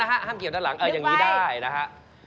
ห้ามเกี่ยวด้านหลังอย่างนี้ได้นะฮะ